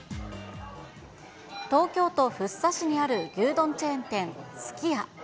東京都福生市にある牛丼チェーン店、すき家。